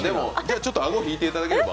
ちょっと顎、引いていただければ。